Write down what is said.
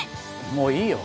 もういいよ。